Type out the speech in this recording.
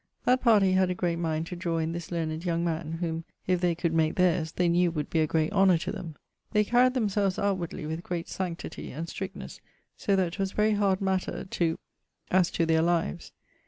That party had a great mind to drawe in this learned young man, whom if they could make theirs, they knew would be a great honour to them. They carried themselves outwardly with great sanctity and strictnesse, so that 'twas very hard matter to as to their lives.